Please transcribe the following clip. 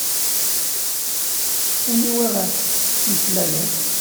Aniwa ɣef tettmeslayeḍ?